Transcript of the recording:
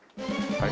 はい。